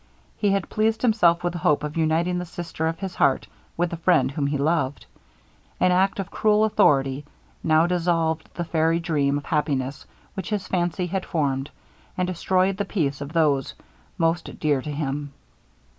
He had pleased himself with the hope of uniting the sister of his heart with the friend whom he loved. An act of cruel authority now dissolved the fairy dream of happiness which his fancy had formed, and destroyed the peace of those most dear to him.